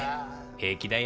平気だよ。